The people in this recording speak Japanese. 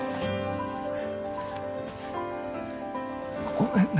ごめんな